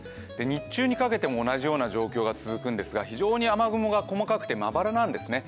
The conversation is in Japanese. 日中にかけても同じような状況が続くんですが、非常に雨雲が細かくてまばらなんですね。